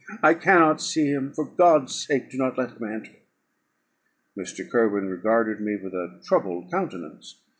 I cannot see him; for God's sake, do not let him enter!" Mr. Kirwin regarded me with a troubled countenance.